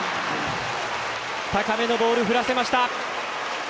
高めのボール、振らせました。